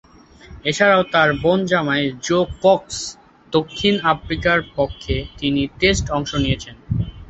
এছাড়াও, তার বোন জামাই জো কক্স দক্ষিণ আফ্রিকার পক্ষে তিনটি টেস্টে অংশ নিয়েছেন।